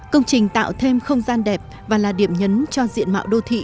công trình tạo thêm không gian đẹp và là điểm nhấn cho diện mạo đô thị